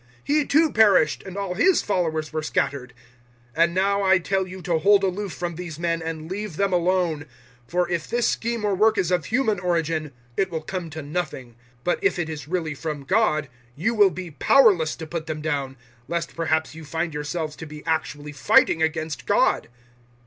He too perished, and all his followers were scattered. 005:038 And now I tell you to hold aloof from these men and leave them alone for if this scheme or work is of human origin, it will come to nothing. 005:039 But if it is really from God, you will be powerless to put them down lest perhaps you find yourselves to be actually fighting against God."